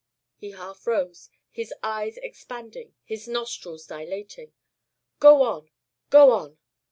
He half rose, his eyes expanding, his nostrils dilating. "Go on. Go on."